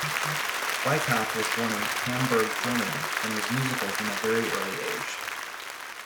Weikath was born in Hamburg, Germany and was musical from a very early age.